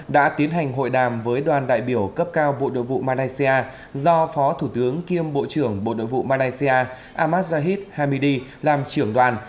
đã tiến hành hội đàm với đoàn đại biểu cấp cao bộ nội vụ malaysia do phó thủ tướng kiêm bộ trưởng bộ nội vụ malaysia ahmad jahid hamidi làm trưởng đoàn